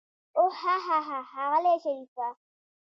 اوح هاهاها ښاغلی شريفه.